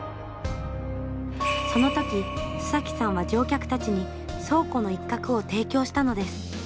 その時須崎さんは乗客たちに倉庫の一角を提供したのです。